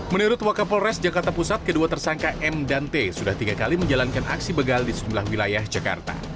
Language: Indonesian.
menurut wakapolres jakarta pusat kedua tersangka m dan t sudah tiga kali menjalankan aksi begal di sejumlah wilayah jakarta